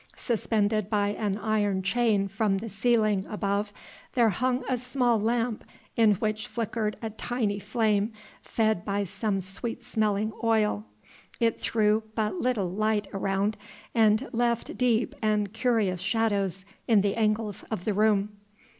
Suspended by an iron chain from the ceiling above there hung a small lamp in which flickered a tiny flame fed by some sweet smelling oil. It threw but little light around and left deep and curious shadows in the angles of the room.